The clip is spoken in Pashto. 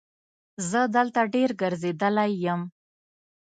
زه دلته ډېر ګرځېدلی یم.